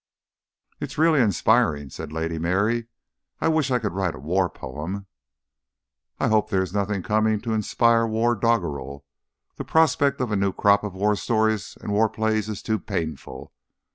"It's really inspiring," said Lady Mary. "I wish I could write a war poem." "I hope there is nothing coming to inspire war doggerel; the prospect of a new crop of war stories and war plays is too painful.